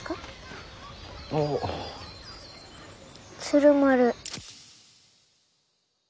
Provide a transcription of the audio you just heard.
鶴丸。